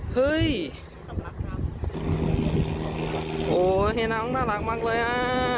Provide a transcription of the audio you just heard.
เฮ้ยโอ้เฮียน้ำน่ารักมากเลยอ่ะ